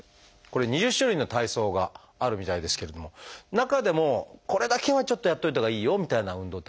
これ２０種類の体操があるみたいですけども中でもこれだけはちょっとやっといたほうがいいよみたいな運動ってありますか？